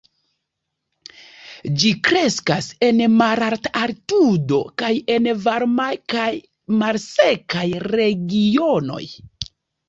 Ĝi kreskas en malalta altitudo kaj en varmaj kaj malsekaj regionoj.